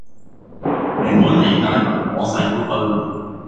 如果你帶埋我細佬去，